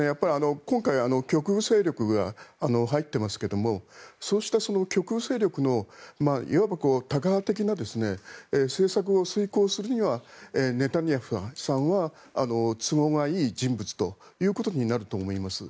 今回、極右勢力が入ってますけどそうした極右勢力のいわばタカ派的な政策を遂行するにはネタニヤフさんは都合がいい人物ということになると思います。